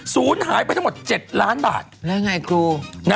ศูนย์หายไปทั้งหมด๗ล้านบาทแล้วไงครู